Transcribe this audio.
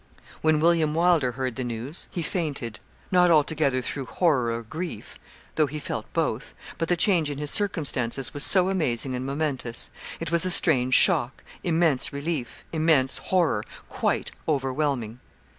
When William Wylder heard the news, he fainted; not altogether through horror or grief, though he felt both; but the change in his circumstances was so amazing and momentous. It was a strange shock immense relief immense horror quite overwhelming.